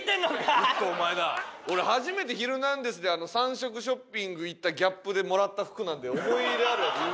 俺初めて『ヒルナンデス！』で３色ショッピング行ったＧＡＰでもらった服なんで思い入れあるやつ。